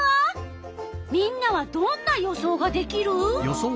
みんなはどんな予想ができる？